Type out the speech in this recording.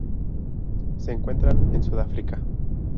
Se encuentran en Sudáfrica